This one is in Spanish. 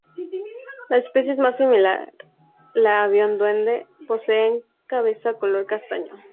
La especie más similar, el avión duende, posee una cabeza color castaño.